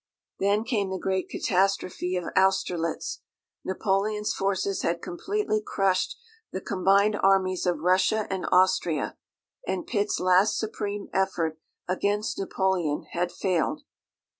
Then came the great catastrophe of Austerlitz; Napoleon's forces had completely crushed the combined armies of Russia and Austria, and Pitt's last supreme effort against Napoleon had failed.